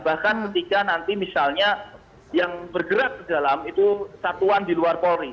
bahkan ketika nanti misalnya yang bergerak ke dalam itu satuan di luar polri